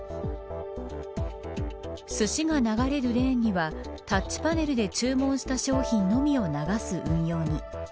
すしが流れるレーンにはタッチパネルで注文した商品のみを流す運用に。